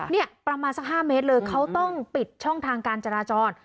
เนี่ยประมาณสัก๕เมตรเลยเขาต้องปิดช่องทางการจราจร